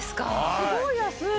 すごい安い！